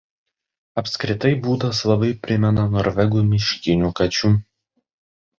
Apskritai būdas labai primena norvegų miškinių kačių.